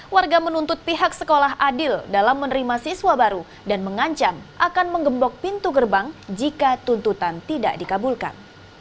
warga menuntut pihak sekolah adil dalam menerima siswa baru dan mengancam akan menggembok pintu gerbang jika tuntutan tidak dikabulkan